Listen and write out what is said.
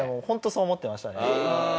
本当そう思ってましたね。